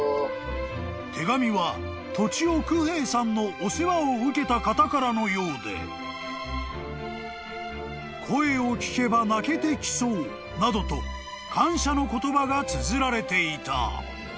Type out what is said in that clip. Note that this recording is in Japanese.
［手紙は栃尾九兵衛さんのお世話を受けた方からのようで「声を聞けば泣けてきそう」などと感謝の言葉がつづられていた］